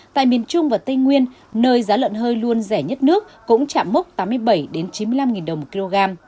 tại miền trung và tây nguyên nơi giá lợn hơi luôn rẻ nhất nước cũng chạm mốc tám mươi bảy chín mươi năm đồng một kg